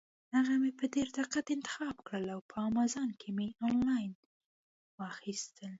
هغه مې په ډېر دقت انتخاب کړل او په امازان کې مې انلاین واخیستل.